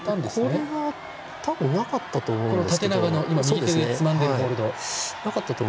これは、たぶんなかったと思うんですけど。